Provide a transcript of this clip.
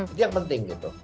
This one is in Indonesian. itu yang penting gitu